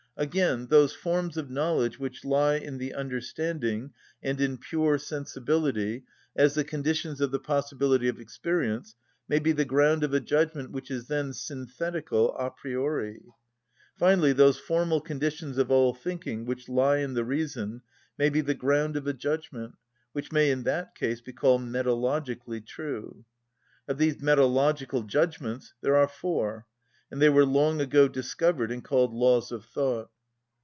Again, those forms of knowledge which lie in the understanding and in pure sensibility, as the conditions of the possibility of experience, may be the ground of a judgment which is then synthetical a priori. Finally, those formal conditions of all thinking which lie in the reason may be the ground of a judgment, which may in that case be called metalogically true. Of these metalogical judgments there are four, and they were long ago discovered and called laws of thought.